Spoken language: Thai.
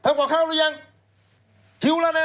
เธอก่อนเข้าหรือยังหิวแล้วนะ